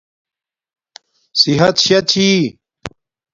صحت شا چھی